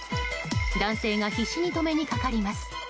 男性が必死に止めにかかります。